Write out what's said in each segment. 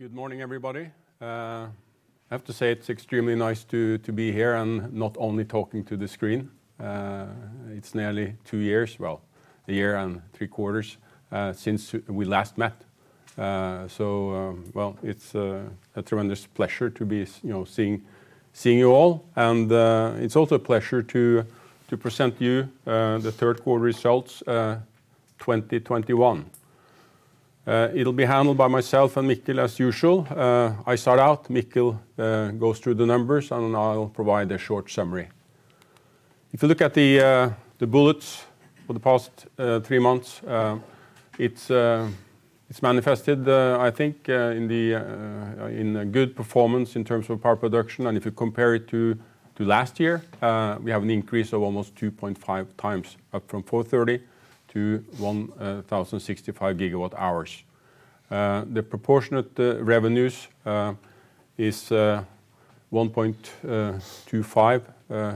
Good morning, everybody. I have to say it's extremely nice to be here and not only talking to the screen. It's nearly two years, well, a year and three quarters, since we last met. Well, it's a tremendous pleasure to be, you know, seeing you all. It's also a pleasure to present you the third quarter results 2021. It'll be handled by myself and Mikkel, as usual. I start out, Mikkel goes through the numbers, and I'll provide a short summary. If you look at the bullets for the past three months, it's manifested, I think, in good performance in terms of power production. If you compare it to last year, we have an increase of almost 2.5x, up from 430 GWh to 1,065 GWh. The proportionate revenues is 1.25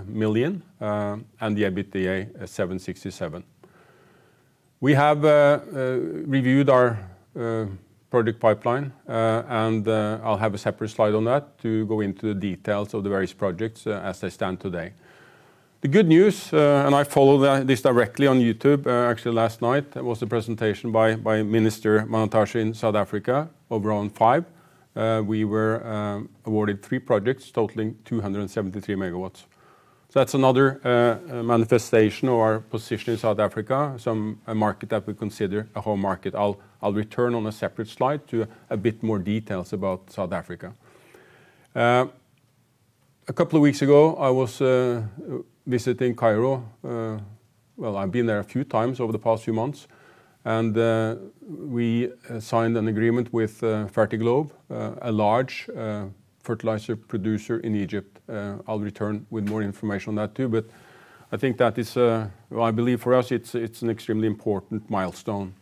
million, and the EBITDA is 767. We have reviewed our project pipeline, and I'll have a separate slide on that to go into the details of the various projects as they stand today. The good news, I follow this directly on YouTube, actually last night, there was a presentation by Minister Mantashe in South Africa, of Round 5. We were awarded three projects totaling 273 MW. That's another manifestation of our position in South Africa, a market that we consider a home market. I'll return on a separate slide to a bit more details about South Africa. A couple of weeks ago, I was visiting Cairo. Well, I've been there a few times over the past few months, and we signed an agreement with Fertiglobe, a large fertilizer producer in Egypt. I'll return with more information on that, too. I think that is, I believe for us it's an extremely important milestone.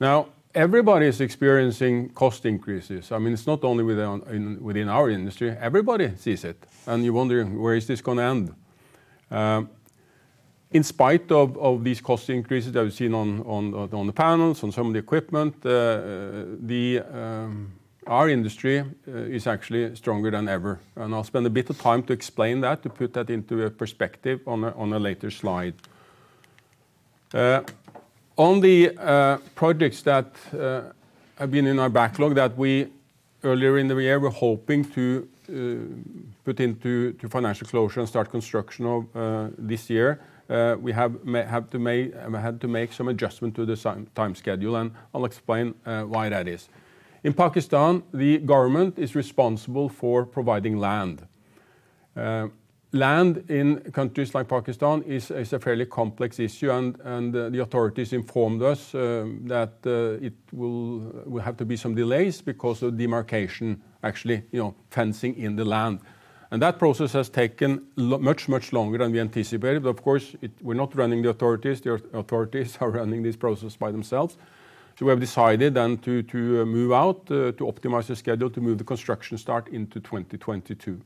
Now, everybody is experiencing cost increases. I mean, it's not only within our industry. Everybody sees it, and you wonder, where is this gonna end? In spite of these cost increases that we've seen on the panels, on some of the equipment, our industry is actually stronger than ever. I'll spend a bit of time to explain that, to put that into a perspective on a later slide. On the projects that have been in our backlog that we earlier in the year were hoping to put into financial closure and start construction of this year, we have had to make some adjustment to the time schedule, and I'll explain why that is. In Pakistan, the government is responsible for providing land. Land in countries like Pakistan is a fairly complex issue and the authorities informed us that it will have to be some delays because of demarcation, actually, you know, fencing in the land. That process has taken much longer than we anticipated. Of course, we're not running the authorities. The authorities are running this process by themselves. We have decided to optimize the schedule, to move the construction start into 2022.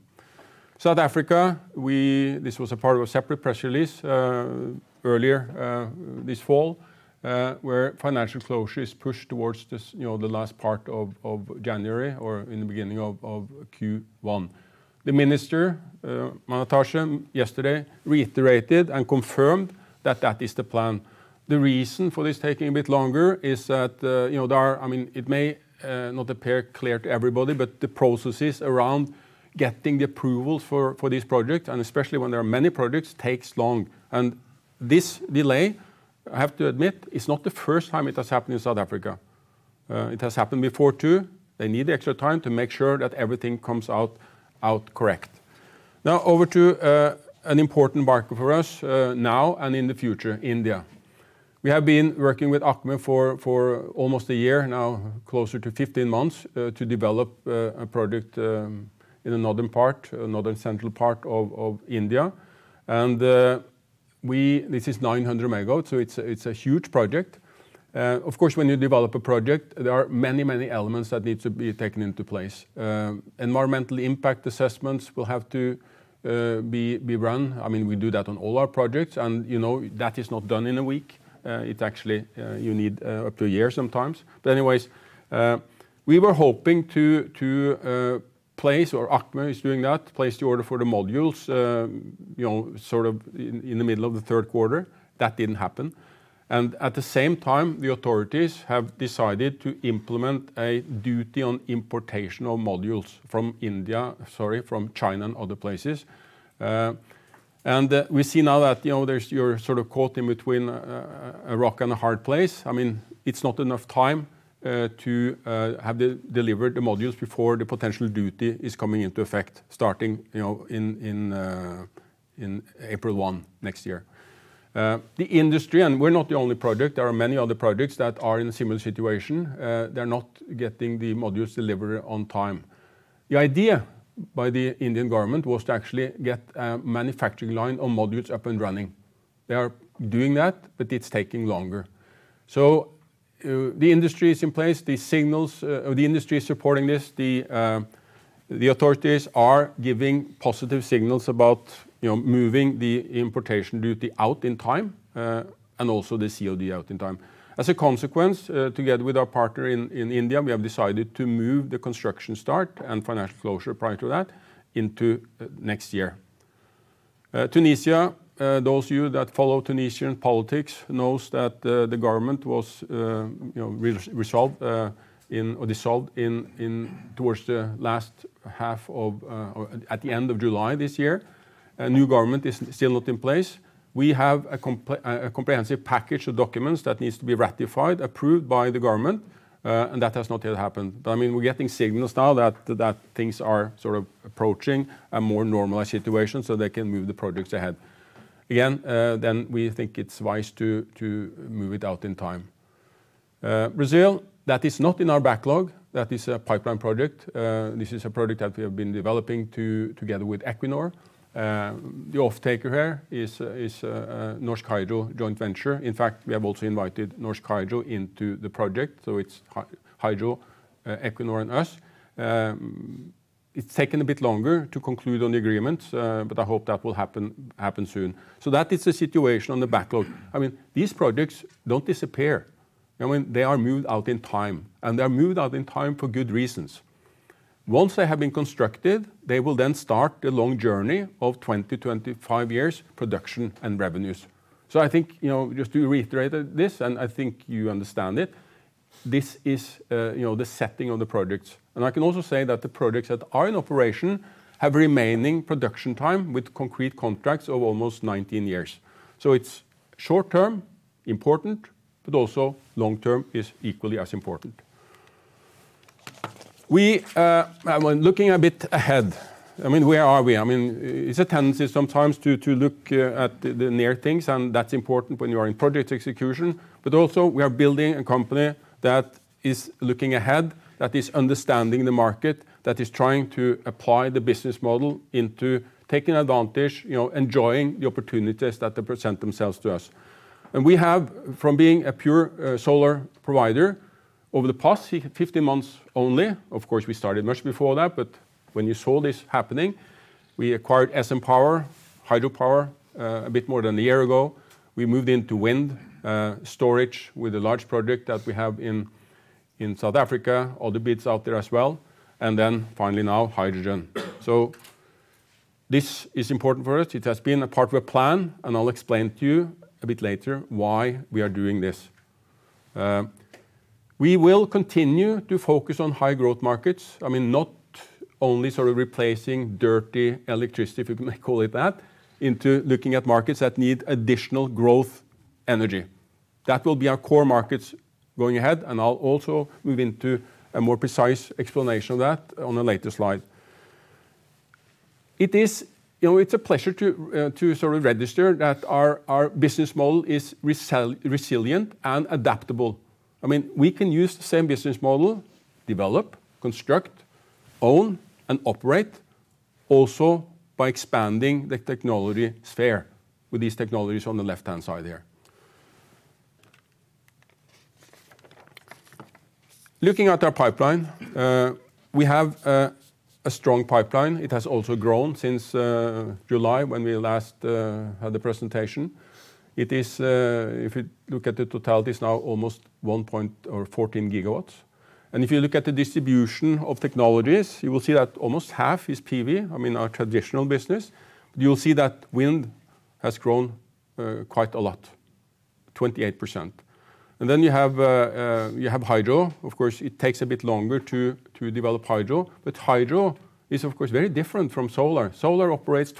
South Africa, this was a part of a separate press release earlier this fall, where financial closure is pushed towards this, you know, the last part of January or in the beginning of Q1. Minister Mantashe yesterday reiterated and confirmed that that is the plan. The reason for this taking a bit longer is that, you know, there are. I mean, it may not appear clear to everybody, but the processes around getting the approval for this project, and especially when there are many projects, takes long. This delay, I have to admit, is not the first time it has happened in South Africa. It has happened before, too. They need extra time to make sure that everything comes out correct. Now over to an important market for us now and in the future, India. We have been working with ACME for almost a year now, closer to 15 months, to develop a project in the northern part, northern central part of India. This is 900 MW, so it's a huge project. Of course, when you develop a project, there are many elements that need to be taken into place. Environmental impact assessments will have to be run. I mean, we do that on all our projects and, you know, that is not done in a week. Actually, you need up to a year sometimes. Anyway, we were hoping to place, or ACME is doing that, place the order for the modules, you know, sort of in the middle of the third quarter. That didn't happen. At the same time, the authorities have decided to implement a duty on importation of modules from India, sorry, from China and other places. We see now that, you know, there's. You're sort of caught between a rock and a hard place. I mean, it's not enough time to have delivered the modules before the potential duty is coming into effect, starting, you know, in April 1 next year. The industry, we're not the only project, there are many other projects that are in a similar situation, they're not getting the modules delivered on time. The idea by the Indian government was to actually get a manufacturing line on modules up and running. They are doing that, but it's taking longer. The industry is in place, the signals of the industry is supporting this. The authorities are giving positive signals about, you know, moving the importation duty out in time, and also the COD out in time. As a consequence, together with our partner in India, we have decided to move the construction start and financial closure prior to that into next year. Tunisia, those of you that follow Tunisian politics knows that the government was you know resolved or dissolved towards the last half of or at the end of July this year. A new government is still not in place. We have a comprehensive package of documents that needs to be ratified, approved by the government, and that has not yet happened. I mean, we're getting signals now that things are sort of approaching a more normalized situation, so they can move the projects ahead. Again, we think it's wise to move it out in time. Brazil, that is not in our backlog. That is a pipeline project. This is a project that we have been developing together with Equinor. The off-taker here is Norsk Hydro joint venture. In fact, we have also invited Norsk Hydro into the project, so it's Hydro, Equinor and us. It's taken a bit longer to conclude on the agreements, but I hope that will happen soon. That is the situation on the backlog. I mean, these projects don't disappear. I mean, they are moved out in time for good reasons. Once they have been constructed, they will then start the long journey of 20-25 years production and revenues. I think, you know, just to reiterate this, and I think you understand it, this is, you know, the setting of the projects. I can also say that the projects that are in operation have remaining production time with concrete contracts of almost 19 years. It's short-term important, but also long-term is equally as important. We, when looking a bit ahead, I mean, where are we? I mean, it's a tendency sometimes to look at the near things, and that's important when you are in project execution. We are building a company that is looking ahead, that is understanding the market, that is trying to apply the business model into taking advantage, you know, enjoying the opportunities that present themselves to us. We have, from being a pure solar provider over the past 15 months only, of course, we started much before that, but when you saw this happening, we acquired SN Power, a bit more than a year ago. We moved into wind, storage with a large project that we have in South Africa, other bits out there as well. Then finally now, hydrogen. This is important for us. It has been a part of a plan, and I'll explain to you a bit later why we are doing this. We will continue to focus on high growth markets. I mean, not only sort of replacing dirty electricity, if you may call it that, into looking at markets that need additional growth energy. That will be our core markets going ahead, and I'll also move into a more precise explanation of that on a later slide. It is, you know, it's a pleasure to sort of register that our business model is resilient and adaptable. I mean, we can use the same business model, develop, construct, own, and operate also by expanding the technology sphere with these technologies on the left-hand side there. Looking at our pipeline, we have a strong pipeline. It has also grown since July when we last had the presentation. It is, if you look at the totality, it's now almost 1.4 GW. If you look at the distribution of technologies, you will see that almost half is PV, I mean, our traditional business. You'll see that wind has grown quite a lot, 28%. Then you have hydro. Of course, it takes a bit longer to develop hydro. Hydro is, of course, very different from solar. Solar operates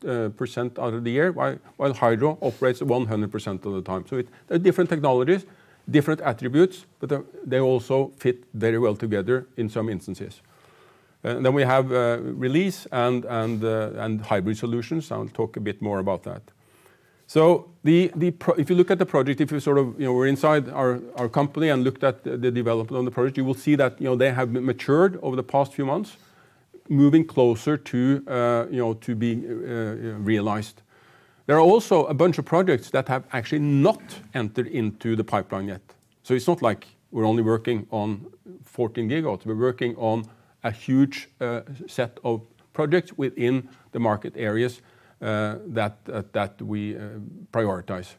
20%-25% out of the year, while hydro operates 100% of the time. So they're different technologies, different attributes, but they also fit very well together in some instances. Then we have Release and hybrid solutions. I'll talk a bit more about that. If you look at the project, if you sort of, you know, were inside our company and looked at the development on the project, you will see that, you know, they have matured over the past few months, moving closer to, you know, to be realized. There are also a bunch of projects that have actually not entered into the pipeline yet. It's not like we're only working on 14 GW. We're working on a huge set of projects within the market areas that we prioritize.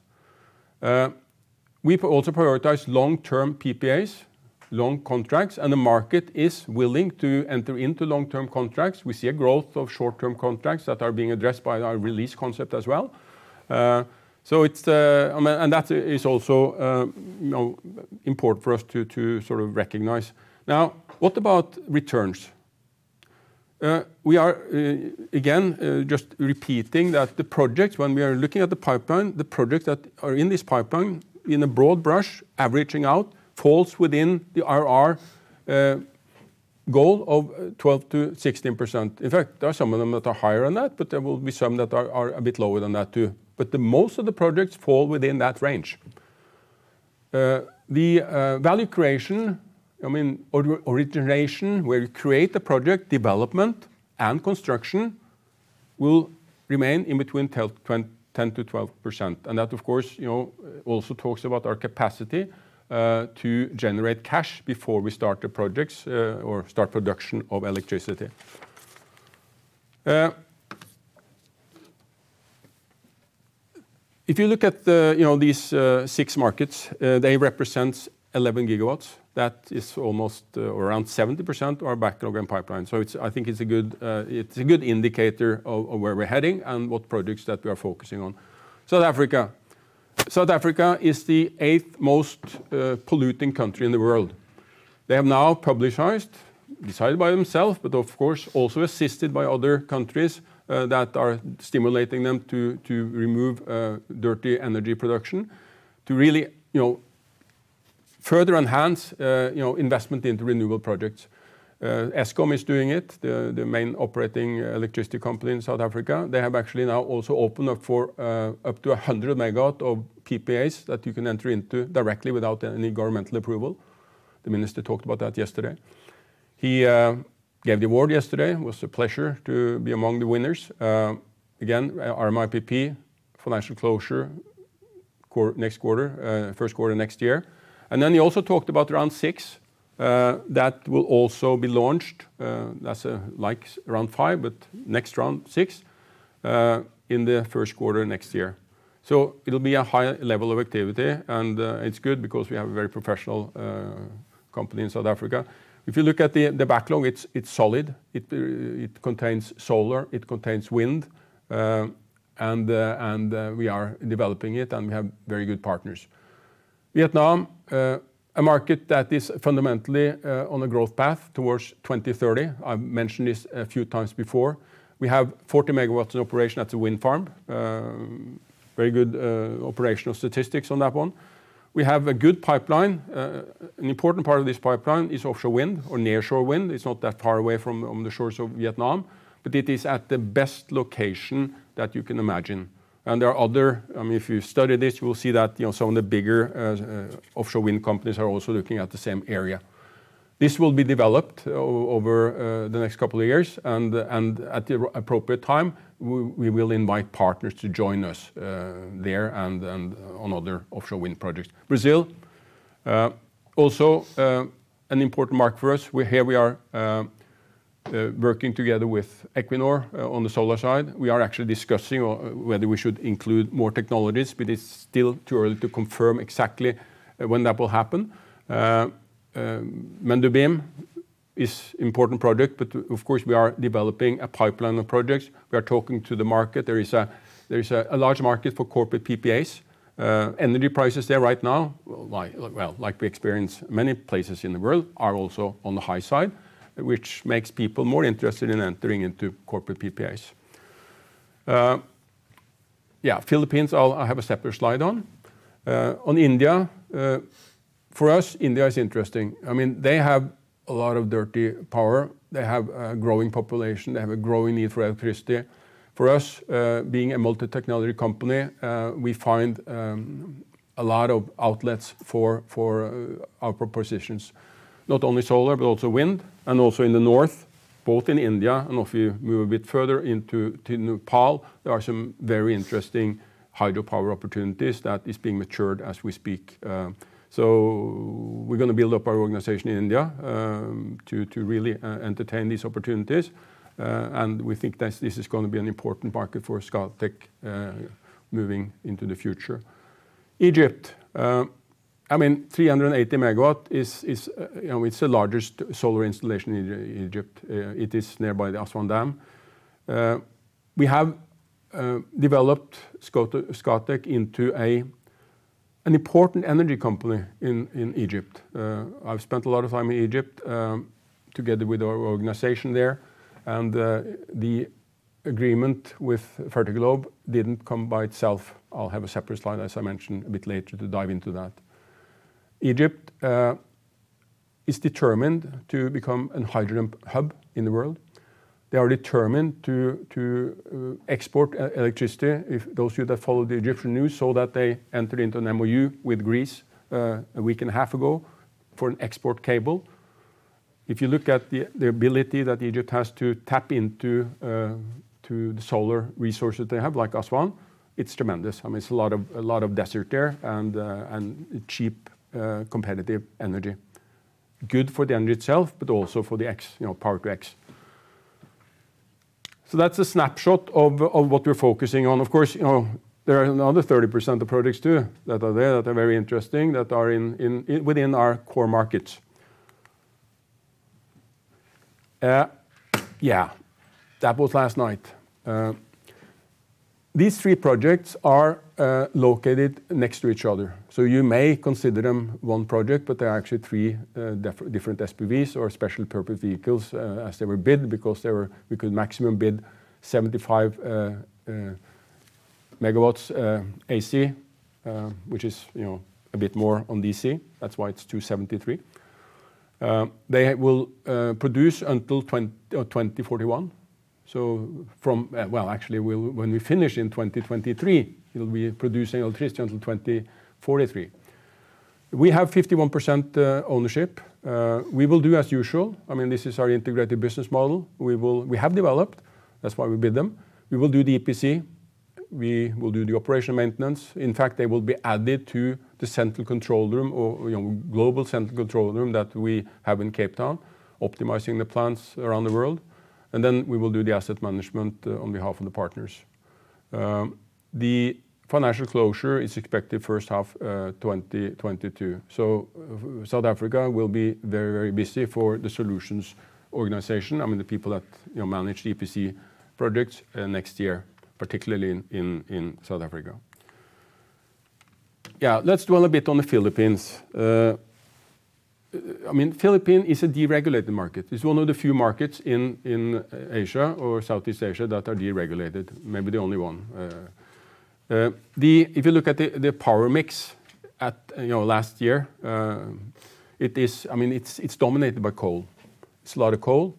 We also prioritize long-term PPAs, long contracts, and the market is willing to enter into long-term contracts. We see a growth of short-term contracts that are being addressed by our Release concept as well. It's, I mean, and that is also, you know, important for us to sort of recognize. Now, what about returns? We are again just repeating that the projects, when we are looking at the pipeline, the projects that are in this pipeline in a broad brush, averaging out, falls within the IRR goal of 12%-16%. In fact, there are some of them that are higher than that, but there will be some that are a bit lower than that too. Most of the projects fall within that range. The value creation, I mean, origination, where you create the project development and construction will remain in between 10%-12%. That of course, you know, also talks about our capacity to generate cash before we start the projects or start production of electricity. If you look at the, you know, these six markets, they represent 11 GW That is almost around 70% our backlog and pipeline. It's a good indicator of where we're heading and what projects that we are focusing on. South Africa is the eighth most polluting country in the world. They have now publicized, decided by themselves, but of course also assisted by other countries that are stimulating them to remove dirty energy production to really, you know, further enhance you know, investment into renewable projects. Eskom is doing it, the main operating electricity company in South Africa. They have actually now also opened up for up to 100 MW of PPAs that you can enter into directly without any governmental approval. The Minister talked about that yesterday. He gave the award yesterday. It was a pleasure to be among the winners. Again, RMIPPPP financial closure first quarter next year. Then he also talked about Round 6 that will also be launched, that's like Round 5, but Round 6 in the first quarter next year. It'll be a high level of activity, and it's good because we have a very professional company in South Africa. If you look at the backlog, it's solid. It contains solar. It contains wind, and we are developing it, and we have very good partners. Vietnam, a market that is fundamentally on a growth path towards 2030. I've mentioned this a few times before. We have 40 MW in operation at the wind farm. Very good operational statistics on that one. We have a good pipeline. An important part of this pipeline is offshore wind or nearshore wind. It's not that far away on the shores of Vietnam, but it is at the best location that you can imagine. I mean, if you study this, you will see that, you know, some of the bigger offshore wind companies are also looking at the same area. This will be developed over the next couple of years and at the appropriate time, we will invite partners to join us there and on other offshore wind projects. Brazil, also, an important market for us. Here we are working together with Equinor on the solar side. We are actually discussing whether we should include more technologies, but it's still too early to confirm exactly when that will happen. Mendubim is important project, but of course we are developing a pipeline of projects. We are talking to the market. There is a large market for corporate PPAs. Energy prices there right now, like we experience many places in the world, are also on the high side, which makes people more interested in entering into corporate PPAs. Philippines, I'll have a separate slide on. On India, for us, India is interesting. I mean, they have a lot of dirty power. They have a growing population. They have a growing need for electricity. For us, being a multi-technology company, we find a lot of outlets for our propositions, not only solar, but also wind, and also in the north, both in India and if you move a bit further into Nepal, there are some very interesting hydropower opportunities that is being matured as we speak. We're gonna build up our organization in India to really entertain these opportunities, and we think this is gonna be an important market for Scatec moving into the future. Egypt, I mean, 380 MW is, you know, it's the largest solar installation in Egypt. It is nearby the Aswan Dam. We have developed Scatec into an important energy company in Egypt. I've spent a lot of time in Egypt, together with our organization there, and the agreement with Fertiglobe didn't come by itself. I'll have a separate slide, as I mentioned a bit later, to dive into that. Egypt is determined to become a hydrogen hub in the world. They are determined to export electricity. If those of you that follow the Egyptian news saw that they entered into an MoU with Greece a week and a half ago for an export cable. If you look at the ability that Egypt has to tap into the solar resources they have, like Aswan, it's tremendous. I mean, it's a lot of desert there and cheap, competitive energy. Good for the energy itself, but also for the X, you know, Power-to-X. That's a snapshot of what we're focusing on. Of course, there are another 30% of projects too that are there that are very interesting that are within our core markets. That was last night. These three projects are located next to each other. You may consider them one project, but they're actually three different SPVs or special purpose vehicles as they were bid because we could maximum bid 75 MW AC, which is a bit more on DC. That's why it's 273. They will produce until 2041. From when we finish in 2023, it'll be producing electricity until 2043. We have 51% ownership. We will do as usual. I mean, this is our integrated business model. We have developed, that's why we bid them. We will do the EPC, we will do the operation maintenance. In fact, they will be added to the central control room or, you know, global central control room that we have in Cape Town, optimizing the plants around the world, and then we will do the asset management on behalf of the partners. The financial closure is expected first half 2022. South Africa will be very, very busy for the solutions organization. I mean, the people that, you know, manage EPC projects next year, particularly in South Africa. Yeah, let's dwell a bit on the Philippines. I mean, Philippines is a deregulated market. It's one of the few markets in Asia or Southeast Asia that are deregulated, maybe the only one. If you look at the power mix at, you know, last year, I mean, it's dominated by coal. It's a lot of coal.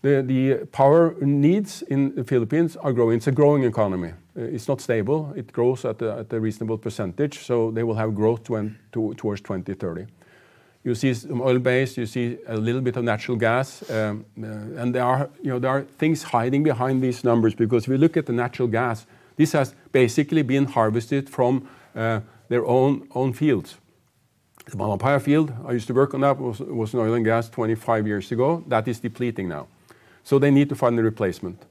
The power needs in the Philippines are growing. It's a growing economy. It's not stable. It grows at a reasonable percentage, so they will have growth towards 2030. You see some oil-based, you see a little bit of natural gas, and there are, you know, there are things hiding behind these numbers because we look at the natural gas. This has basically been harvested from their own fields. Malampaya field, I used to work on that, was an oil and gas 25 years ago. That is depleting now, so they need to find a replacement.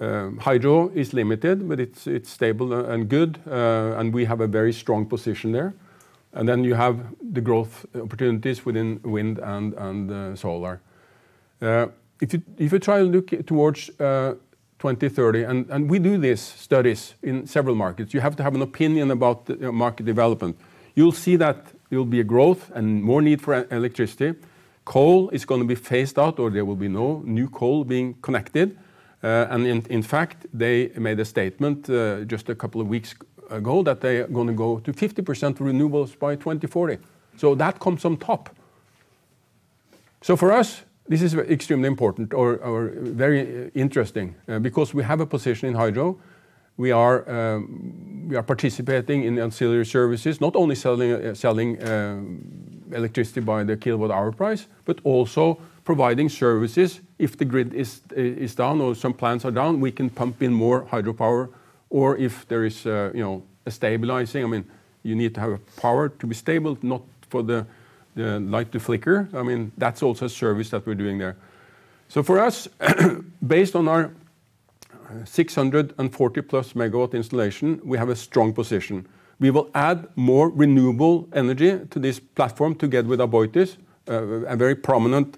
Hydro is limited, but it's stable and good, and we have a very strong position there. Then you have the growth opportunities within wind and solar. If you try to look towards 2030, and we do these studies in several markets, you have to have an opinion about the market development. You'll see that there will be a growth and more need for electricity. Coal is gonna be phased out, or there will be no new coal being connected. In fact, they made a statement just a couple of weeks ago that they are gonna go to 50% renewables by 2040. That comes on top. For us, this is extremely important or very interesting, because we have a position in hydro. We are participating in ancillary services, not only selling electricity by the kilowatt hour price, but also providing services. If the grid is down or some plants are down, we can pump in more hydropower. If there is, you know, a stabilizing, I mean, you need to have power to be stable, not for the light to flicker. I mean, that's also a service that we're doing there. For us, based on our 640+ MW installation, we have a strong position. We will add more renewable energy to this platform together with Aboitiz, a very prominent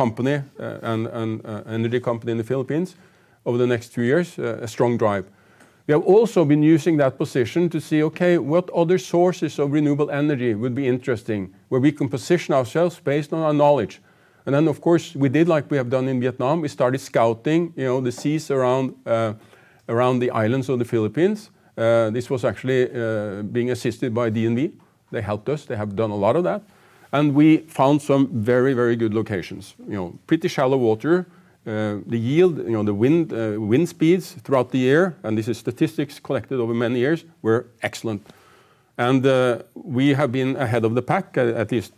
company and energy company in the Philippines over the next two years, a strong drive. We have also been using that position to see, okay, what other sources of renewable energy would be interesting, where we can position ourselves based on our knowledge. Of course, we did like we have done in Vietnam, we started scouting, you know, the seas around the islands of the Philippines. This was actually being assisted by DNV. They helped us. They have done a lot of that. We found some very, very good locations. You know, pretty shallow water. The yield, you know, the wind speeds throughout the year, and this is statistics collected over many years, were excellent. We have been ahead of the pack, at least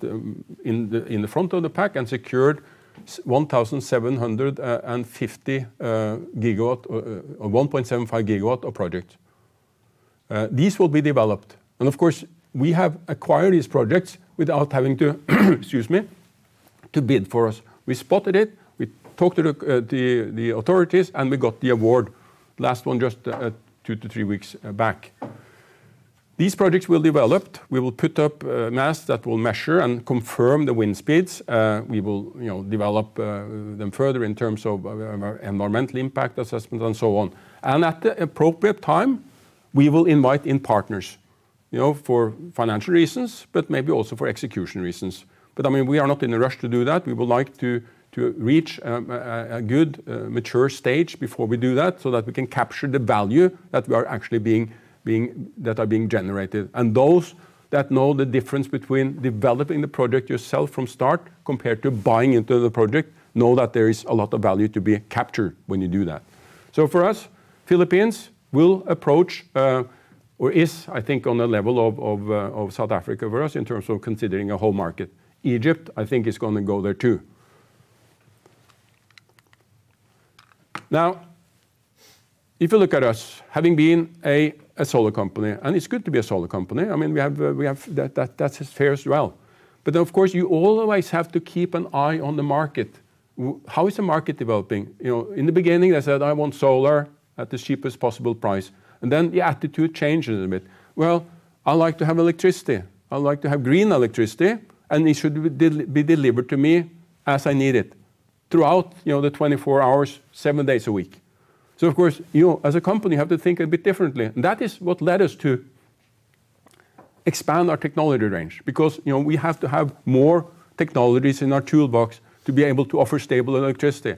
in the front of the pack, and secured 1,750 GW or 1.75 GW of project. These will be developed. Of course, we have acquired these projects without having to, excuse me, to bid for us. We spotted it, we talked to the authorities, and we got the award. Last one just two to three weeks back. These projects we developed, we will put up a mast that will measure and confirm the wind speeds. We will, you know, develop them further in terms of environmental impact assessments and so on. At the appropriate time, we will invite in partners, you know, for financial reasons, but maybe also for execution reasons. I mean, we are not in a rush to do that. We would like to reach a good mature stage before we do that, so that we can capture the value that are being generated. Those that know the difference between developing the project yourself from start compared to buying into the project know that there is a lot of value to be captured when you do that. For us, Philippines will approach, or is I think on the level of South Africa for us in terms of considering a whole market. Egypt, I think is gonna go there too. Now, if you look at us, having been a solar company, and it's good to be a solar company. I mean, we have that that fares well. Of course, you always have to keep an eye on the market. How is the market developing? You know, in the beginning, they said, "I want solar at the cheapest possible price." Then the attitude changes a bit. "Well, I like to have electricity. I like to have green electricity, and it should be be delivered to me as I need it throughout, you know, the 24 hours, seven days a week. Of course, you as a company have to think a bit differently. That is what led us to expand our technology range because, you know, we have to have more technologies in our toolbox to be able to offer stable electricity.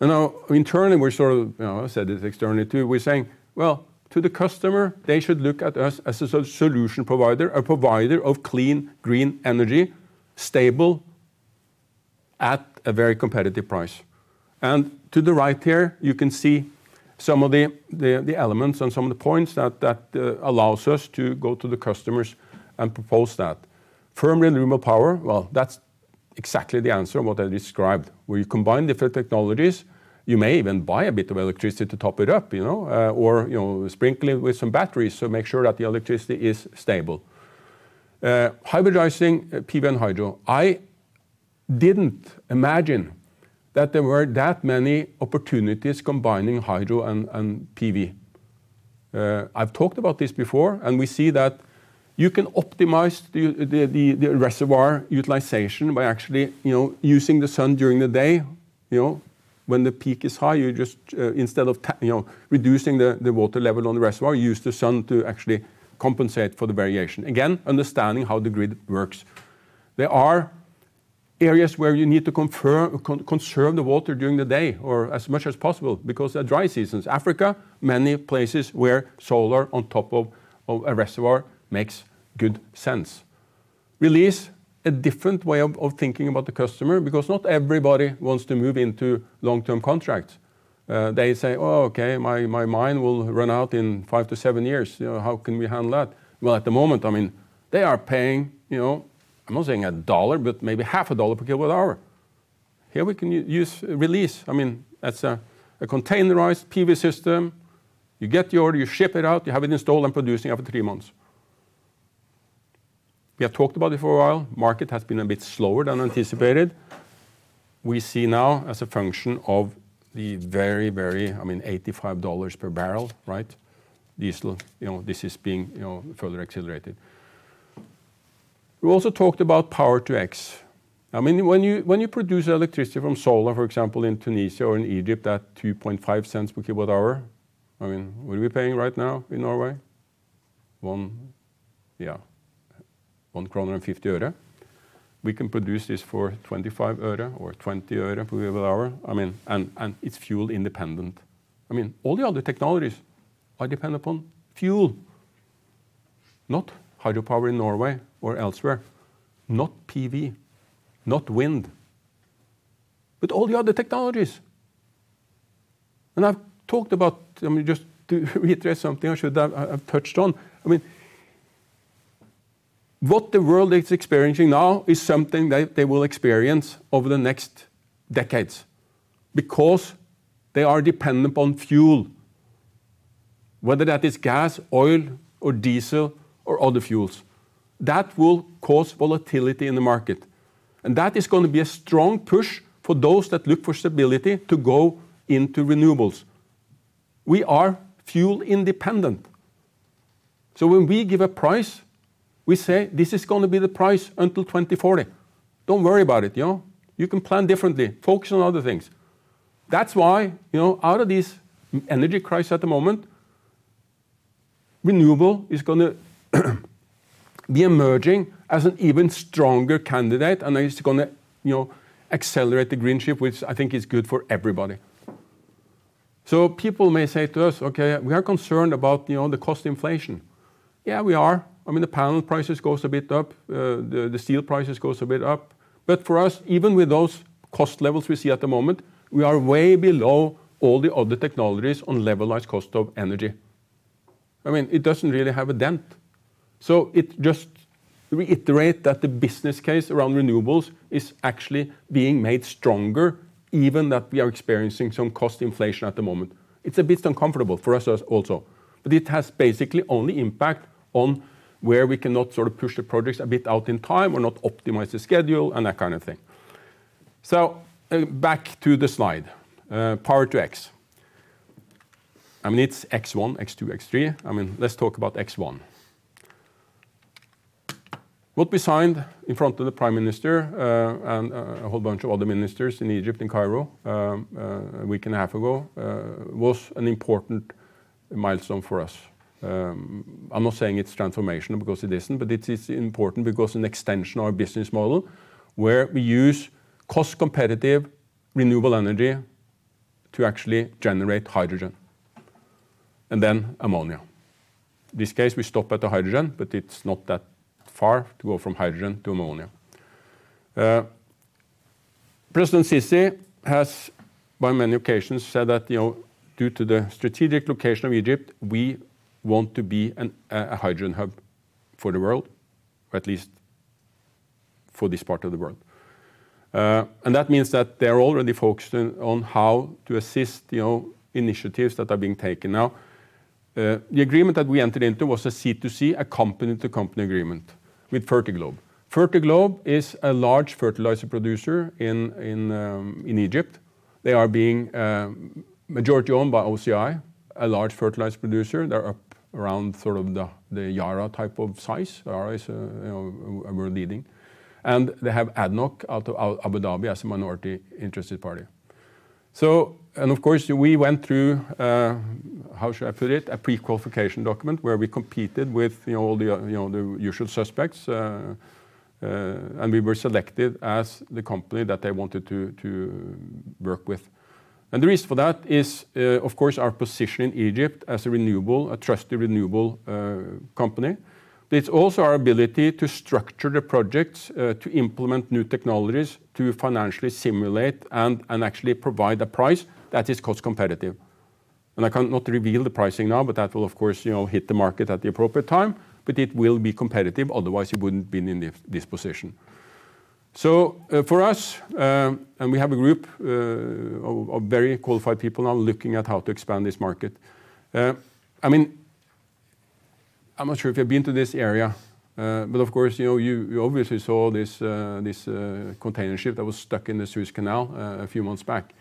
Now internally, we're sort of, you know, I said this externally too, we're saying, "Well, to the customer, they should look at us as a solution provider, a provider of clean, green energy, stable at a very competitive price. To the right here, you can see some of the elements and some of the points that allows us to go to the customers and propose that. Firm renewable power, well, that's exactly the answer and what I described. Where you combine different technologies, you may even buy a bit of electricity to top it up, you know, or, you know, sprinkle it with some batteries to make sure that the electricity is stable. Hybridizing PV and hydro. I didn't imagine that there were that many opportunities combining hydro and PV. I've talked about this before, and we see that you can optimize the reservoir utilization by actually, you know, using the sun during the day. You know, when the peak is high, you just, instead of you know, reducing the water level on the reservoir, you use the sun to actually compensate for the variation. Again, understanding how the grid works. There are areas where you need to conserve the water during the day or as much as possible because there are dry seasons. In Africa, many places where solar on top of a reservoir makes good sense. Release, a different way of thinking about the customer because not everybody wants to move into long-term contracts. They say, "Oh, okay, my mine will run out in five to seven years. You know, how can we handle that?" Well, at the moment, I mean, they are paying, you know, I'm not saying $1, but maybe half a dollar per kWh. Here we can use Release. I mean, that's a containerized PV system. You get the order, you ship it out, you have it installed and producing after three months. We have talked about it for a while. Market has been a bit slower than anticipated. We see now as a function of the very, very I mean, $85 per barrel, right? Diesel, you know, this is being you know, further accelerated. We also talked about Power-to-X. I mean, when you produce electricity from solar, for example, in Tunisia or in Egypt at $0.025 per kWh, I mean, what are we paying right now in Norway? One, yeah, one kroner and DKK 0.50. We can produce this for DKK 0.25 or DKK 0.20 per kWh. I mean, and it's fuel independent. I mean, all the other technologies are dependent upon fuel. Not hydropower in Norway or elsewhere, not PV, not wind, but all the other technologies. I've talked about, I mean, just to reiterate something I should have, I've touched on. I mean, what the world is experiencing now is something they will experience over the next decades because they are dependent upon fuel, whether that is gas, oil, or diesel, or other fuels. That will cause volatility in the market, and that is gonna be a strong push for those that look for stability to go into renewables. We are fuel independent. So when we give a price, we say, "This is gonna be the price until 2040. Don't worry about it, you know. You can plan differently. Focus on other things." That's why, you know, out of this energy crisis at the moment, renewable is gonna be emerging as an even stronger candidate, and it's gonna, you know, accelerate the green shift, which I think is good for everybody. People may say to us, "Okay, we are concerned about, you know, the cost inflation." Yeah, we are. I mean, the panel prices goes a bit up. The steel prices goes a bit up. For us, even with those cost levels we see at the moment, we are way below all the other technologies on levelized cost of energy. I mean, it doesn't really have a dent. It just reiterate that the business case around renewables is actually being made stronger even that we are experiencing some cost inflation at the moment. It's a bit uncomfortable for us as also. It has basically only impact on where we cannot sort of push the projects a bit out in time or not optimize the schedule and that kind of thing. Back to the slide, Power-to-X. I mean, it's X one, X two, X three. I mean, let's talk about X one. What we signed in front of the Prime Minister, and a whole bunch of other ministers in Egypt, in Cairo, a week and a half ago, was an important milestone for us. I'm not saying it's transformational because it isn't, but it is important because an extension of our business model where we use cost competitive renewable energy to actually generate hydrogen and then ammonia. In this case, we stop at the hydrogen, but it's not that far to go from hydrogen to ammonia. President Sisi has on many occasions said that, you know, due to the strategic location of Egypt, we want to be a hydrogen hub for the world, or at least for this part of the world. That means that they're already focused on how to assist, you know, initiatives that are being taken now. The agreement that we entered into was a C2C, a Company-to-Company agreement with Fertiglobe. Fertiglobe is a large fertilizer producer in Egypt. They are being majority owned by OCI, a large fertilizer producer. They're up around sort of the Yara type of size. Yara is, you know, world leading. They have ADNOC out of Abu Dhabi as a minority interested party. Of course, we went through how should I put it? A prequalification document where we competed with, you know, all the, you know, the usual suspects. We were selected as the company that they wanted to work with. The reason for that is, of course, our position in Egypt as a trusted renewable company. But it's also our ability to structure the projects, to implement new technologies, to financially simulate and actually provide a price that is cost competitive. I cannot reveal the pricing now, but that will of course, you know, hit the market at the appropriate time, but it will be competitive, otherwise, it wouldn't been in this position. For us, we have a group of very qualified people now looking at how to expand this market. I mean, I'm not sure if you've been to this area, but of course, you know, you obviously saw this container ship that was stuck in the Suez Canal a few months back.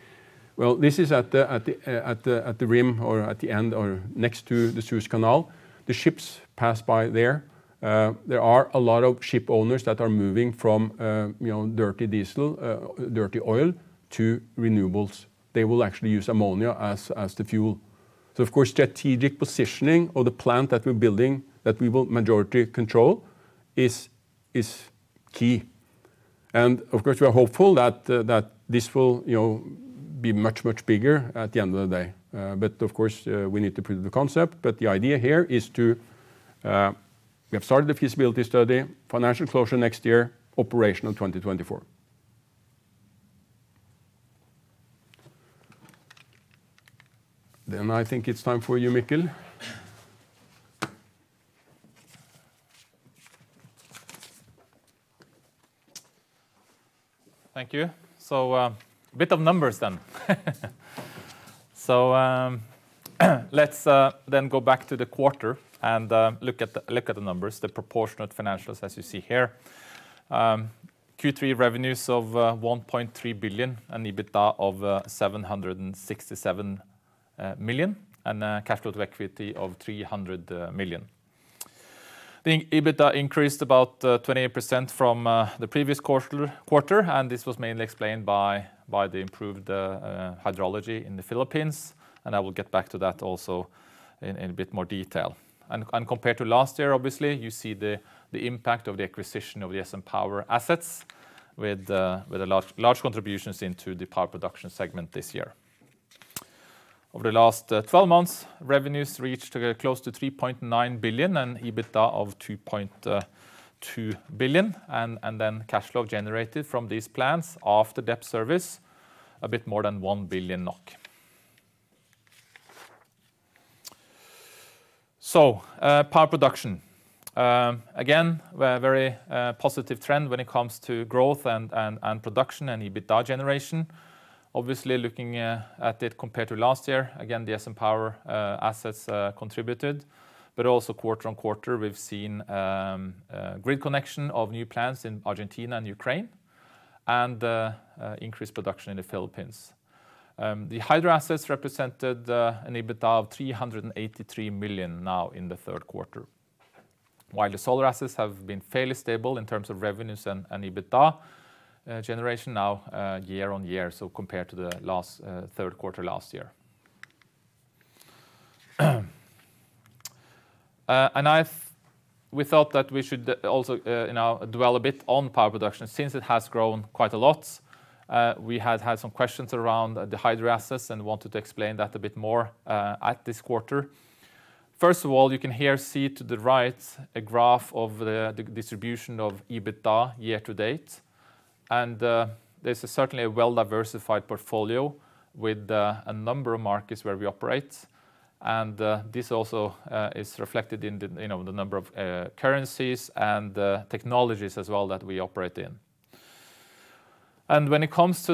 Well, this is at the rim or at the end or next to the Suez Canal. The ships pass by there. There are a lot of ship owners that are moving from, you know, dirty diesel, dirty oil to renewables. They will actually use ammonia as the fuel. Of course, strategic positioning of the plant that we're building, that we will majority control is key. Of course, we are hopeful that this will, you know, be much bigger at the end of the day. Of course, we need to prove the concept. The idea here is to, we have started the feasibility study, financial closure next year, operational 2024. I think it's time for you, Mikkel. Thank you. A bit of numbers then. Let's then go back to the quarter and look at the numbers, the proportionate financials as you see here. Q3 revenues of 1.3 billion and EBITDA of 767 million, and cash flow to equity of 300 million. The EBITDA increased about 28% from the previous quarter, and this was mainly explained by the improved hydrology in the Philippines, and I will get back to that also in a bit more detail. Compared to last year, obviously, you see the impact of the acquisition of the SN Power assets with the large contributions into the power production segment this year. Over the last 12 months, revenues reached close to 3.9 billion and EBITDA of 2.2 billion, and then cash flow generated from these plants after debt service a bit more than 1 billion NOK. Power production. Again, very positive trend when it comes to growth and production and EBITDA generation. Obviously, looking at it compared to last year, again, the SN Power assets contributed, but also quarter-on-quarter, we've seen grid connection of new plants in Argentina and Ukraine and increased production in the Philippines. The hydro assets represented an EBITDA of 383 million now in the third quarter. While the solar assets have been fairly stable in terms of revenues and EBITDA generation now year on year, so compared to the last third quarter last year. We thought that we should also you know dwell a bit on power production since it has grown quite a lot. We had some questions around the hydro assets and wanted to explain that a bit more at this quarter. First of all, you can here see to the right a graph of the distribution of EBITDA year to date. This is certainly a well-diversified portfolio with a number of markets where we operate. This also is reflected in the you know the number of currencies and technologies as well that we operate in. When it comes to,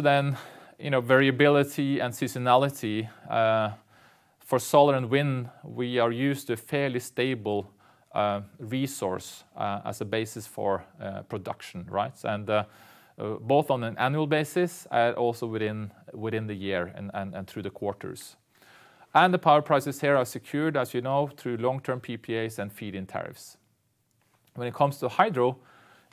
you know, variability and seasonality for solar and wind, we are used to fairly stable resource as a basis for production, right? Both on an annual basis, also within the year and through the quarters. The power prices here are secured, as you know, through long-term PPAs and feed-in tariffs. When it comes to hydro,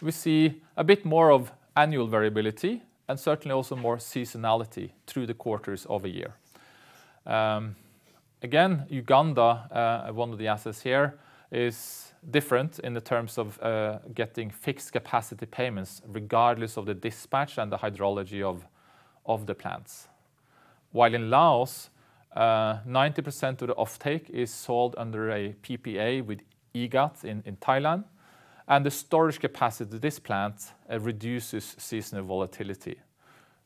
we see a bit more of annual variability and certainly also more seasonality through the quarters of a year. Again, Uganda, one of the assets here, is different in terms of getting fixed capacity payments regardless of the dispatch and the hydrology of the plants. While in Laos, 90% of the offtake is sold under a PPA with EGAT in Thailand, and the storage capacity of this plant reduces seasonal volatility.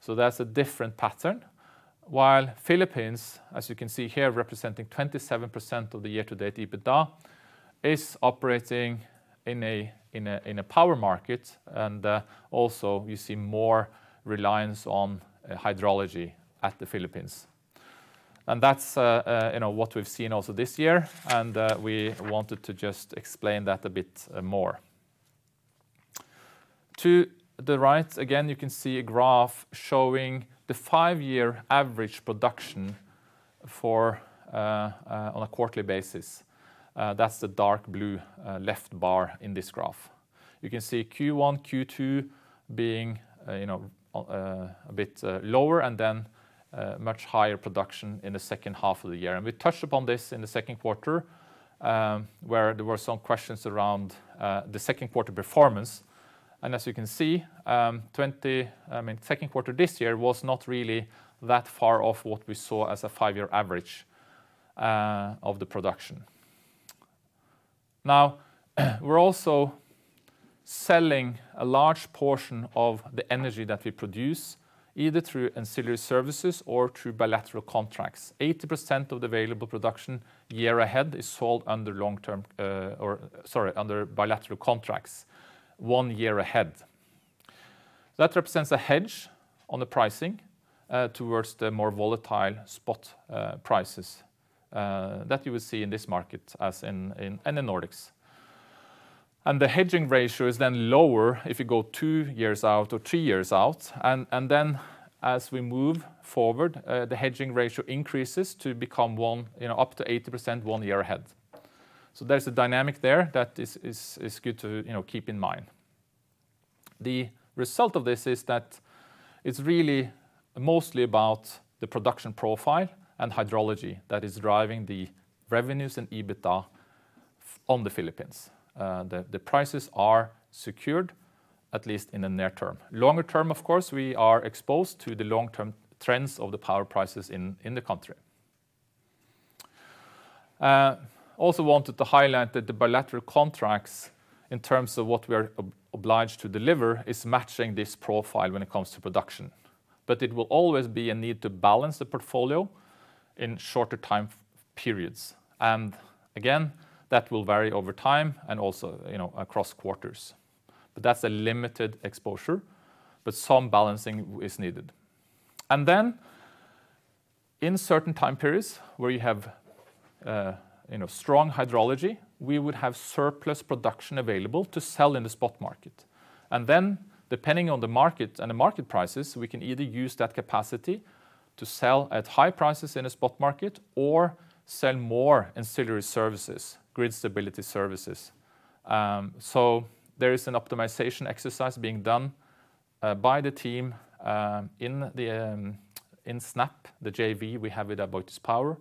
That's a different pattern. While Philippines, as you can see here, representing 27% of the year-to-date EBITDA, is operating in a power market. Also you see more reliance on hydrology at the Philippines. That's you know what we've seen also this year, and we wanted to just explain that a bit more. To the right, again, you can see a graph showing the five-year average production on a quarterly basis. That's the dark blue left bar in this graph. You can see Q1, Q2 being, you know, a bit lower and then much higher production in the second half of the year. We touched upon this in the second quarter, where there were some questions around the second quarter performance. As you can see, second quarter this year was not really that far off what we saw as a five-year average of the production. Now we're also selling a large portion of the energy that we produce, either through ancillary services or through bilateral contracts. 80% of the available production year ahead is sold under bilateral contracts one year ahead. That represents a hedge on the pricing towards the more volatile spot prices that you will see in this market as in the Nordics. The hedging ratio is then lower if you go two years out or three years out. As we move forward, the hedging ratio increases to become one, you know, up to 80% one year ahead. There's a dynamic there that is good to, you know, keep in mind. The result of this is that it's really mostly about the production profile and hydrology that is driving the revenues and EBITDA for the Philippines. The prices are secured, at least in the near term. Longer term, of course, we are exposed to the long-term trends of the power prices in the country. We also wanted to highlight that the bilateral contracts in terms of what we are obliged to deliver is matching this profile when it comes to production. It will always be a need to balance the portfolio in shorter time periods. Again, that will vary over time and also, you know, across quarters. That's a limited exposure, but some balancing is needed. Then in certain time periods where you have, you know, strong hydrology, we would have surplus production available to sell in the spot market. Then depending on the market and the market prices, we can either use that capacity to sell at high prices in a spot market or sell more ancillary services, grid stability services. So there is an optimization exercise being done by the team in SN Aboitiz Power, the JV we have with AboitizPower.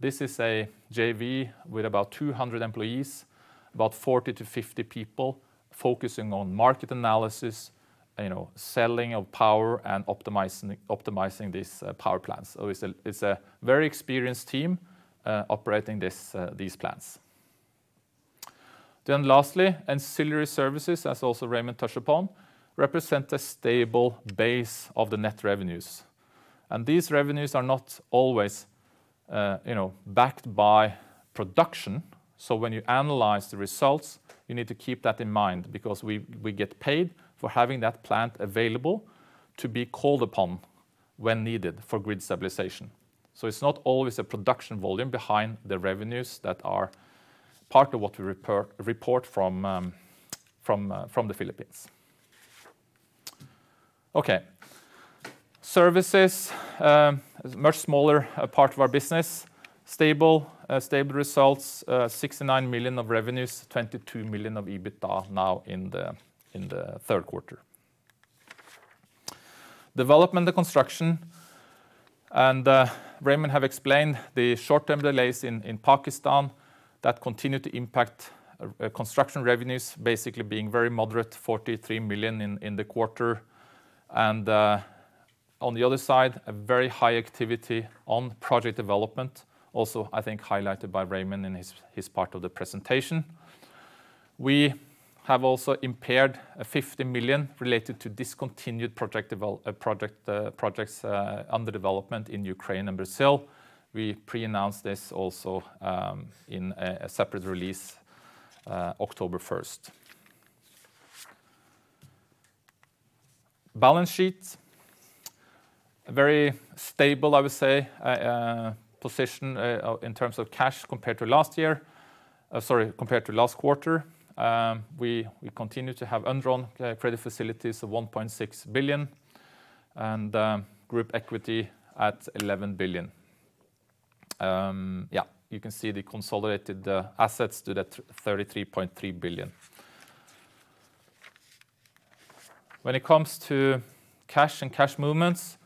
This is a JV with about 200 employees, about 40-50 people focusing on market analysis, you know, selling of power and optimizing these power plants. It's a very experienced team operating these plants. Then lastly, ancillary services, as also Raymond touched upon, represent a stable base of the net revenues. These revenues are not always, you know, backed by production. When you analyze the results, you need to keep that in mind because we get paid for having that plant available to be called upon when needed for grid stabilization. It's not always a production volume behind the revenues that are part of what we report from the Philippines. Okay. Services is much smaller a part of our business. Stable results, 69 million of revenues, 22 million of EBITDA now in the third quarter. Development and construction, Raymond have explained the short-term delays in Pakistan that continue to impact construction revenues, basically being very moderate, 43 million in the quarter. On the other side, a very high activity on project development, also, I think, highlighted by Raymond in his part of the presentation. We have also impaired a 50 million related to discontinued projects under development in Ukraine and Brazil. We pre-announced this also in a separate release October 1. Balance sheet, a very stable, I would say, position in terms of cash compared to last quarter. We continue to have undrawn credit facilities of 1.6 billion and group equity at 11 billion. Yeah, you can see the consolidated assets stood at NOK 33.3 billion. When it comes to cash and cash movements,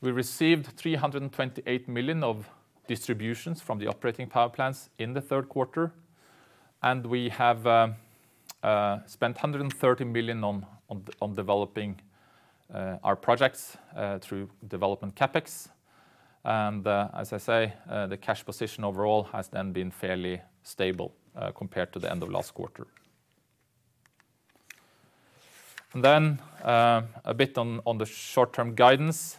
we received 328 million of distributions from the operating power plants in the third quarter, and we have spent 130 million on developing our projects through development CapEx. As I say, the cash position overall has then been fairly stable compared to the end of last quarter. A bit on the short-term guidance.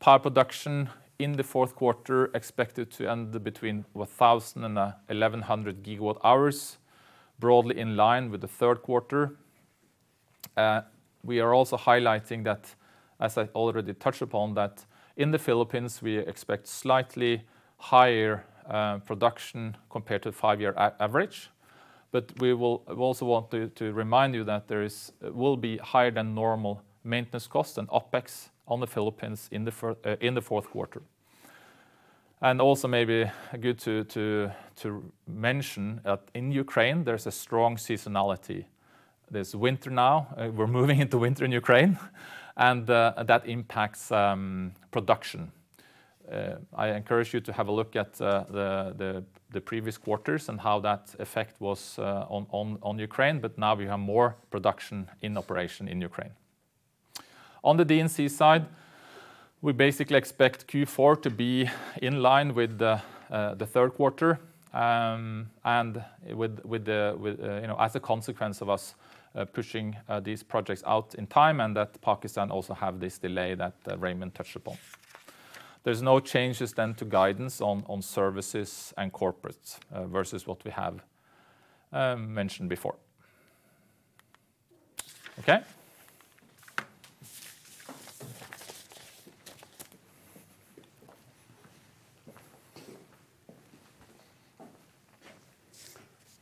Power production in the fourth quarter expected to end between 1,000 GWh and 1,100 GWh, broadly in line with the third quarter. We are also highlighting that, as I already touched upon, that in the Philippines, we expect slightly higher production compared to five-year average. But we will also want to remind you that there will be higher than normal maintenance costs and OpEx on the Philippines in the fourth quarter. Also maybe good to mention that in Ukraine, there's a strong seasonality. There's winter now, we're moving into winter in Ukraine, and that impacts production. I encourage you to have a look at the previous quarters and how that effect was on Ukraine, but now we have more production in operation in Ukraine. On the D&C side, we basically expect Q4 to be in line with the third quarter, and with that, you know, as a consequence of us pushing these projects out in time and that Pakistan also have this delay that Raymond touched upon. There's no changes then to guidance on services and corporates versus what we have mentioned before. Okay?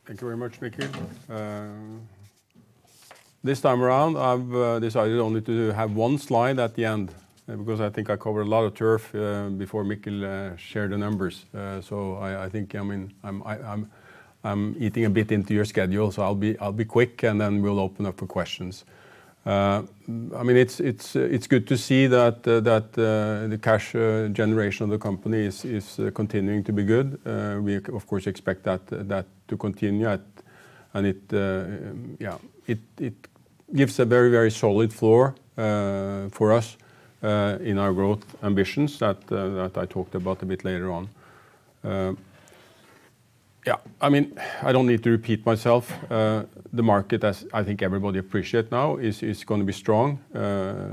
Thank you very much, Mikkel. This time around, I've decided only to have one slide at the end because I think I covered a lot of turf before Mikkel shared the numbers. I think, I mean, I'm eating a bit into your schedule, so I'll be quick, and then we'll open up for questions. I mean, it's good to see that the cash generation of the company is continuing to be good. We of course expect that to continue. It gives a very solid floor for us in our growth ambitions that I talked about a bit later on. I mean, I don't need to repeat myself. The market as I think everybody appreciate now is gonna be strong.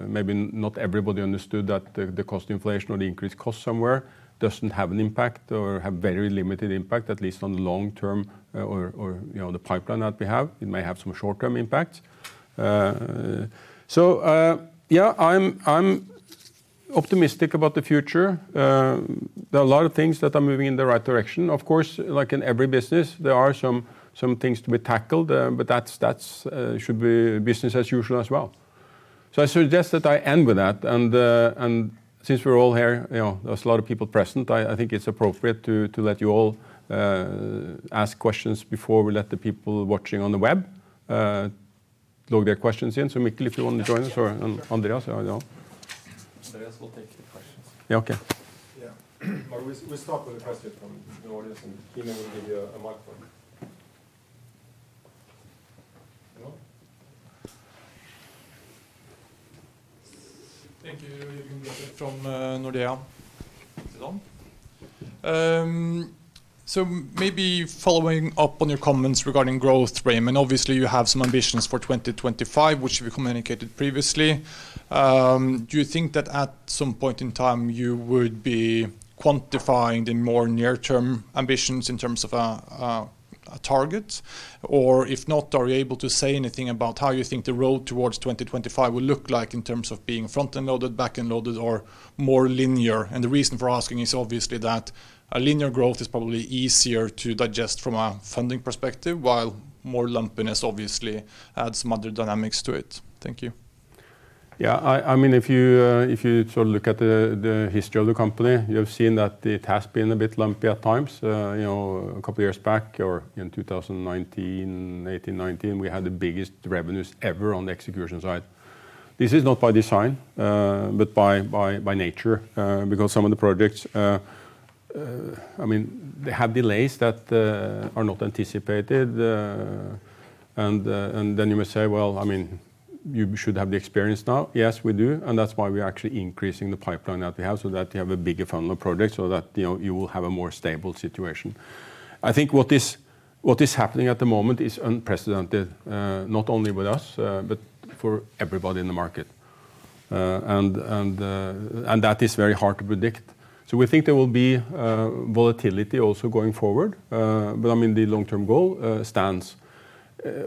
Maybe not everybody understood that the cost inflation or the increased cost somewhere doesn't have an impact or have very limited impact at least on the long term or, you know, the pipeline that we have. It may have some short-term impacts. Yeah, I'm optimistic about the future. There are a lot of things that are moving in the right direction. Of course, like in every business there are some things to be tackled, but that's should be business as usual as well. I suggest that I end with that. since we're all here, you know, there's a lot of people present, I think it's appropriate to let you all ask questions before we let the people watching on the web load their questions in. Mikkel, if you wanna join us or, and Andreas, I don't know. Andreas will take the questions. Yeah. Okay. Yeah. We start with a question from the audience, and Nina will give you a microphone. Hello? Thank you. Liv Grønsberg from Nordea. Sit down. Maybe following up on your comments regarding growth frame, and obviously you have some ambitions for 2025, which you communicated previously. Do you think that at some point in time you would be quantifying the more near-term ambitions in terms of a target? Or if not, are you able to say anything about how you think the road towards 2025 will look like in terms of being front-end loaded, back-end loaded or more linear? The reason for asking is obviously that a linear growth is probably easier to digest from a funding perspective, while more lumpiness obviously adds some other dynamics to it. Thank you. Yeah. I mean, if you sort of look at the history of the company, you have seen that it has been a bit lumpy at times. You know, a couple years back or in 2018, 2019, we had the biggest revenues ever on the execution side. This is not by design, but by nature, because some of the projects, I mean, they have delays that are not anticipated. Then you may say, well, I mean, you should have the experience now. Yes, we do. That's why we're actually increasing the pipeline that we have so that we have a bigger funnel of projects so that, you know, you will have a more stable situation. I think what is happening at the moment is unprecedented, not only with us, but for everybody in the market. That is very hard to predict. We think there will be volatility also going forward. I mean the long-term goal stands.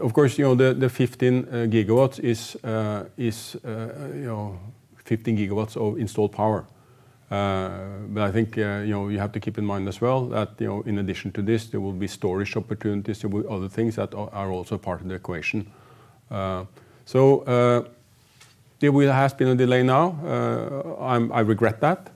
Of course, you know, the 15 GW is 15 GW of installed power. I think you know, you have to keep in mind as well that you know, in addition to this there will be storage opportunities. There will be other things that are also part of the equation. There has been a delay now. I regret that.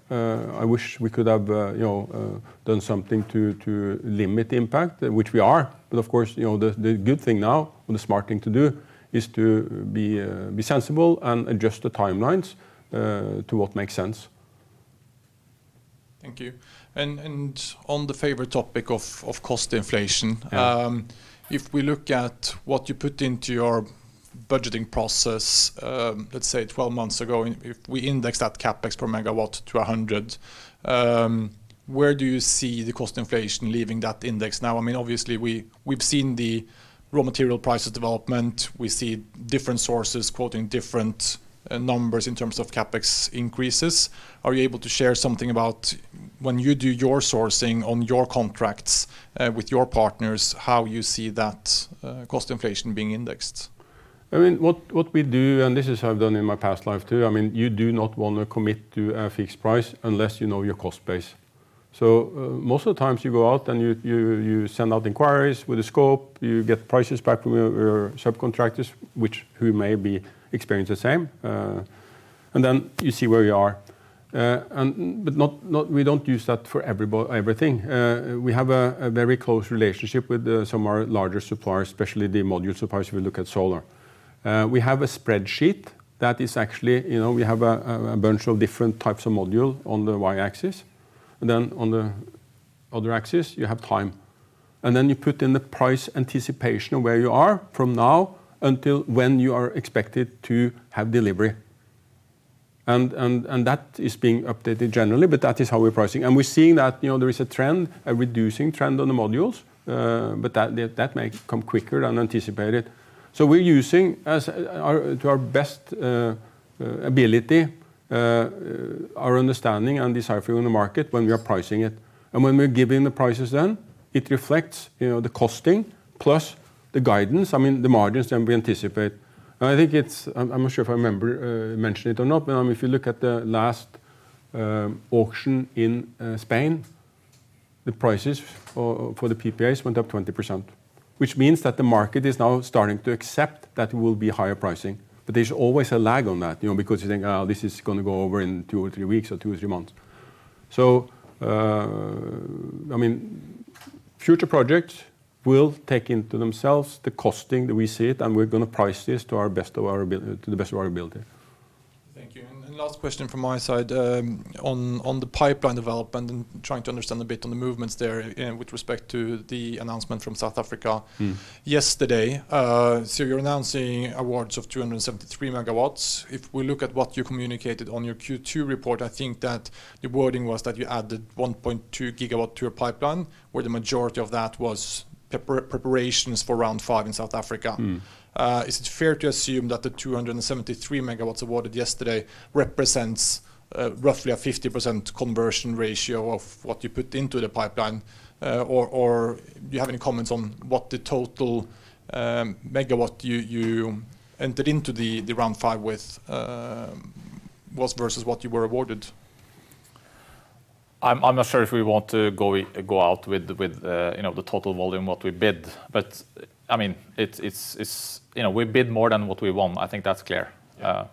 I wish we could have you know, done something to limit the impact, which we are. Of course, you know, the good thing now, or the smart thing to do is to be sensible and adjust the timelines to what makes sense. Thank you. On the favorite topic of cost inflation. Yeah. If we look at what you put into your budgeting process, let's say 12 months ago, and if we index that CapEx per megawatt to 100, where do you see the cost inflation leaving that index now? I mean, obviously we've seen the raw material prices development. We see different sources quoting different numbers in terms of CapEx increases. Are you able to share something about when you do your sourcing on your contracts with your partners, how you see that cost inflation being indexed? I mean, what we do, and this is how I've done in my past life too, I mean, you do not wanna commit to a fixed price unless you know your cost base. Most of the times you go out and you send out inquiries with a scope. You get prices back from your subcontractors, which may experience the same. Then you see where you are. We don't use that for everything. We have a very close relationship with some of our larger suppliers, especially the module suppliers if you look at solar. We have a spreadsheet that is actually, you know, we have a bunch of different types of module on the Y-axis. On the other axis you have time. Then you put in the price anticipation of where you are from now until when you are expected to have delivery. That is being updated generally, but that is how we're pricing. We're seeing that, you know, there is a trend, a reducing trend on the modules, but that may come quicker than anticipated. We're using to our best ability our understanding and deciphering the market when we are pricing it. When we're giving the prices then, it reflects, you know, the costing plus the guidance, I mean, the margins that we anticipate. I think it's I'm not sure if I remember mentioned it or not, but if you look at the last auction in Spain, the prices for the PPAs went up 20%, which means that the market is now starting to accept that it will be higher pricing. There's always a lag on that, you know, because you think, oh, this is gonna go over in two or three weeks or two or three months. I mean, future projects will take into themselves the costing that we see it, and we're gonna price this to the best of our ability. Thank you. Last question from my side, on the pipeline development and trying to understand a bit on the movements there with respect to the announcement from South Africa. Mm. Yesterday. You're announcing awards of 273 MW. If we look at what you communicated on your Q2 report, I think that the wording was that you added 1.2 GW to your pipeline, where the majority of that was preparations for Round 5 in South Africa. Mm. Is it fair to assume that the 273 MW awarded yesterday represents roughly a 50% conversion ratio of what you put into the pipeline? Or do you have any comments on what the total megawatts you entered into the Round 5 with was versus what you were awarded? I'm not sure if we want to go out with the you know the total volume what we bid. I mean, it's you know we bid more than what we won. I think that's clear. Yeah.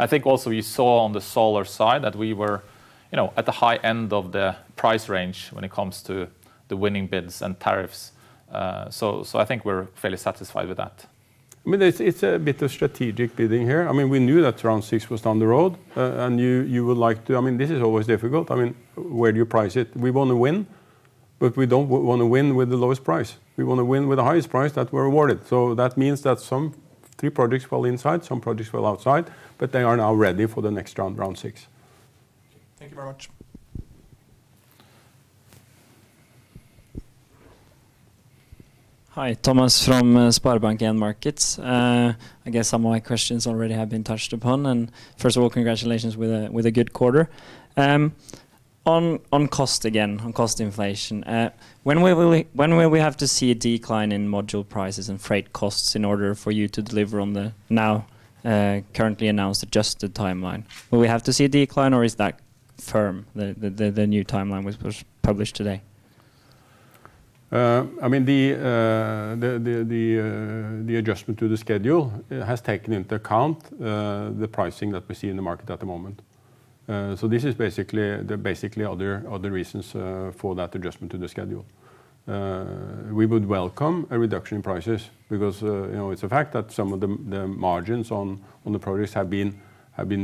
I think also you saw on the solar side that we were, you know, at the high end of the price range when it comes to the winning bids and tariffs. I think we're fairly satisfied with that. I mean, it's a bit of strategic bidding here. I mean, we knew that Round 6 was down the road, and you would like to. I mean, this is always difficult. I mean, where do you price it? We wanna win, but we don't wanna win with the lowest price. We wanna win with the highest price that we're awarded. That means that some three projects fell inside, some projects fell outside, but they are now ready for the next round, Round 6. Thank you very much. Hi. Thomas from SpareBank 1 Markets. I guess some of my questions already have been touched upon. First of all, congratulations with a good quarter. On cost again, on cost inflation, when will we have to see a decline in module prices and freight costs in order for you to deliver on the now currently announced adjusted timeline? Will we have to see a decline, or is that firm? The new timeline was just published today? I mean, the adjustment to the schedule has taken into account the pricing that we see in the market at the moment. This is basically other reasons for that adjustment to the schedule. We would welcome a reduction in prices because you know, it's a fact that some of the margins on the projects have been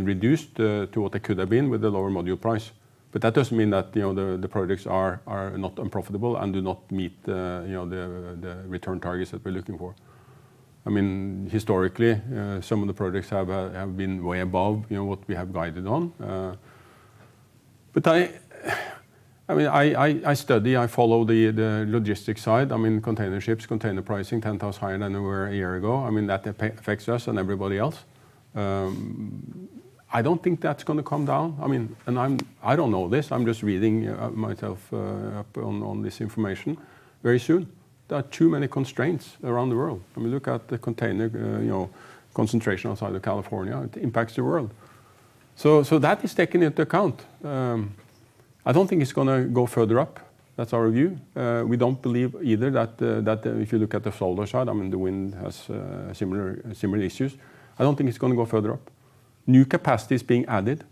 reduced to what they could have been with the lower module price. That doesn't mean that you know, the projects are not unprofitable and do not meet you know, the return targets that we're looking for. I mean, historically, some of the projects have been way above you know, what we have guided on. I mean, I study, I follow the logistics side, I mean, container ships, container pricing, 10x higher than they were a year ago. I mean, that affects us and everybody else. I don't think that's gonna come down. I don't know this, I'm just reading up on this information myself very soon. There are too many constraints around the world. I mean, look at the container, you know, congestion outside of California. It impacts the world. That is taken into account. I don't think it's gonna go further up. That's our view. We don't believe either that if you look at the solar side, I mean, the wind has similar issues. I don't think it's gonna go further up. New capacity is being added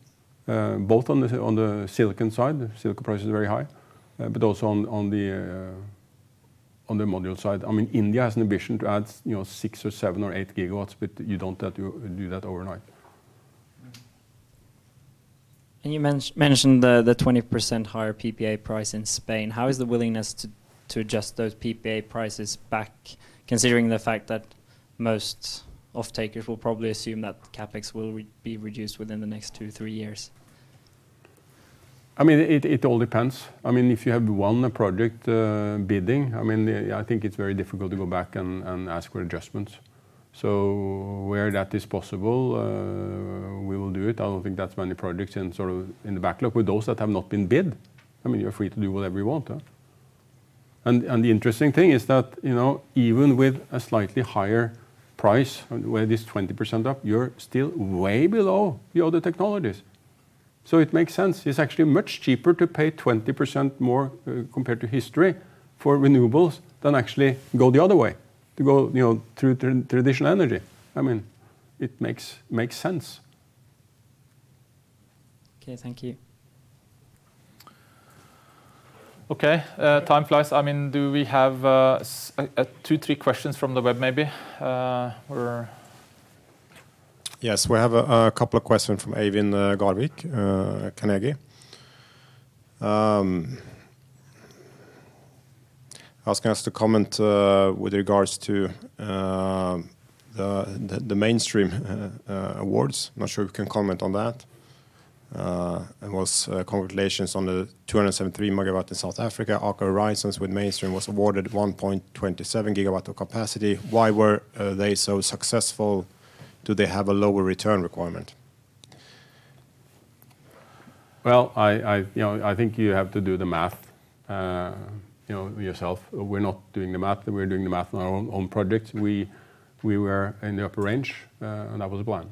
both on the silicon side. Silicon price is very high, but also on the module side. I mean, India has an ambition to add, you know, 6 GW, 7 GW, or 8 GW, but you don't have to do that overnight. You mentioned the 20% higher PPA price in Spain. How is the willingness to adjust those PPA prices back, considering the fact that most offtakers will probably assume that CapEx will be reduced within the next two, three years? I mean, it all depends. I mean, if you have won a project bidding, I mean, I think it's very difficult to go back and ask for adjustments. Where that is possible, we will do it. I don't think that's many projects in sort of the backlog. With those that have not been bid, I mean, you're free to do whatever you want. The interesting thing is that, you know, even with a slightly higher price, where it is 20% up, you're still way below the other technologies. It makes sense. It's actually much cheaper to pay 20% more, compared to history for renewables than actually go the other way, you know, through traditional energy. I mean, it makes sense. Okay, thank you. Okay. Time flies. I mean, do we have two, three questions from the web maybe? Yes, we have a couple of questions from Eivind Garvik, Carnegie. Asking us to comment with regards to the Mainstream awards. I'm not sure if we can comment on that. Congratulations on the 273 MW in South Africa. Aker Horizons with Mainstream was awarded 1.27 GW of capacity. Why were they so successful? Do they have a lower return requirement? Well, I, you know, I think you have to do the math, you know, yourself. We're not doing the math. We're doing the math on our own project. We were in the upper range, and that was the plan.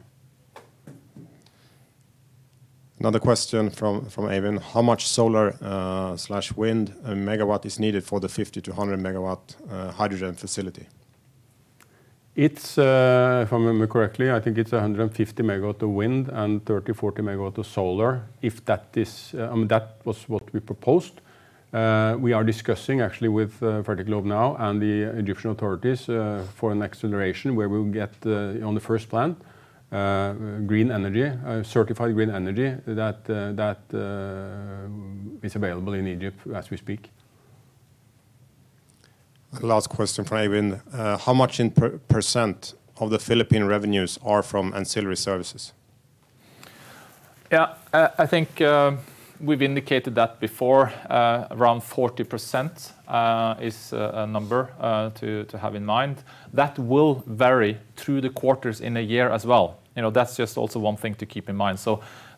Another question from Eivind Garvik. How much solar/wind in megawatts is needed for the 50 MW-100 MW hydrogen facility? It's, if I remember correctly, I think it's 150 MW of wind and 30 MW-40 MW of solar. That was what we proposed. We are discussing actually with Fertiglobe now and the Egyptian authorities for an acceleration where we'll get the COD on the first plant, certified green energy that is available in Egypt as we speak. Last question from Eivind Garvik. How much percent of the Philippine revenues are from ancillary services? Yeah. I think we've indicated that before, around 40% is a number to have in mind. That will vary through the quarters in a year as well. You know, that's just also one thing to keep in mind.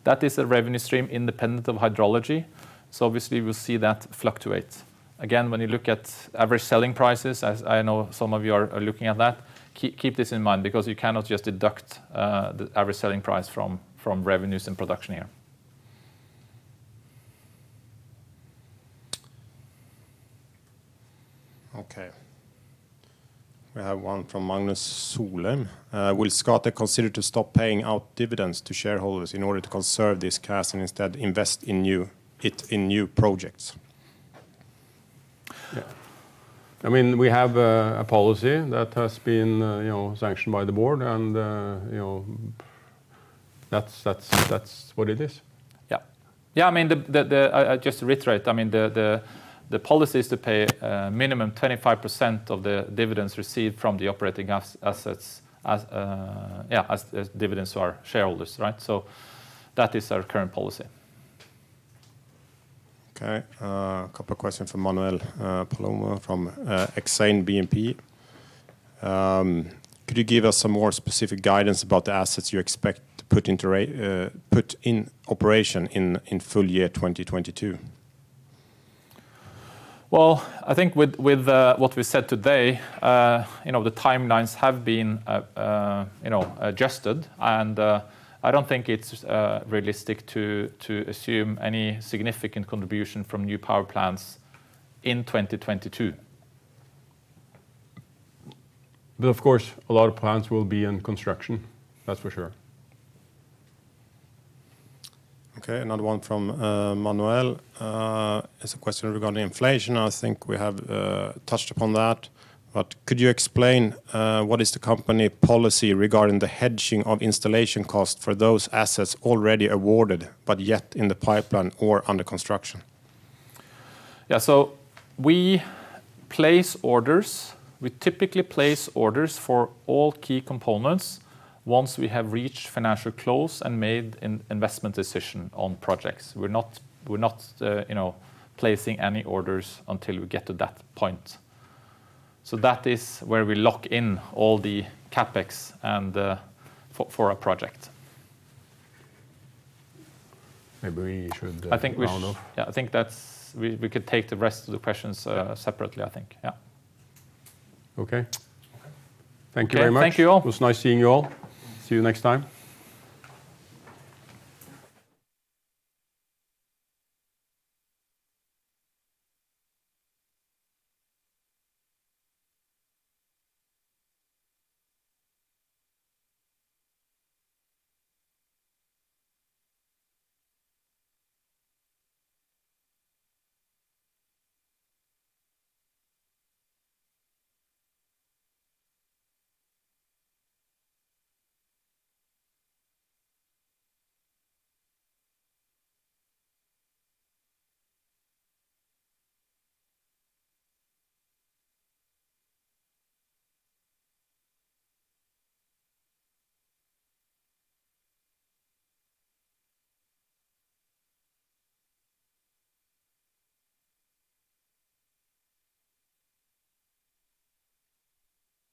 That is a revenue stream independent of hydrology, so obviously we'll see that fluctuate. Again, when you look at average selling prices, as I know some of you are looking at that, keep this in mind because you cannot just deduct the average selling price from revenues and production here. Okay. We have one from Magnus Solheim. Will Scatec consider to stop paying out dividends to shareholders in order to conserve this cash and instead invest in new projects? Yeah. I mean, we have a policy that has been, you know, sanctioned by the board and, you know, that's what it is. Yeah. Yeah, I mean, just to reiterate, I mean, the policy is to pay minimum 25% of the dividends received from the operating assets as dividends to our shareholders, right? That is our current policy. Okay. Couple questions from Manuel Palomo from Exane BNP Paribas. Could you give us some more specific guidance about the assets you expect to put into operation in full year 2022? Well, I think with what we said today, you know, the timelines have been, you know, adjusted, and I don't think it's realistic to assume any significant contribution from new power plants in 2022. Of course, a lot of plants will be in construction, that's for sure. Okay. Another one from Manuel. It's a question regarding inflation. I think we have touched upon that. Could you explain what is the company policy regarding the hedging of installation cost for those assets already awarded but yet in the pipeline or under construction? Yeah. We place orders. We typically place orders for all key components once we have reached financial close and made investment decision on projects. We're not you know placing any orders until we get to that point. That is where we lock in all the CapEx and for a project. Maybe we should round off. Yeah, I think that's. We could take the rest of the questions separately, I think. Yeah. Okay. Okay. Thank you very much. Thank you all. It was nice seeing you all. See you next time.